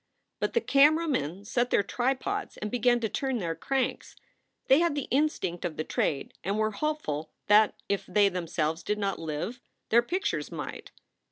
But the camera men set their tripods and began to turn their cranks. They had the instinct of the trade and were hopeful that if they themselves did not live their pictures might.